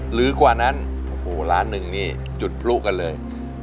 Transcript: หรือกว่านั้นโอ้โหล้านหนึ่งนี่จุดพลุกันเลย